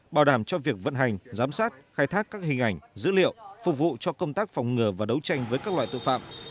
bảo đảm cho việc vận hành giám sát khai thác các hình ảnh dữ liệu phục vụ cho công tác phòng ngừa và đấu tranh với các loại tội phạm